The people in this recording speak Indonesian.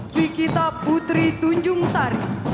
fikita putri tunjungsari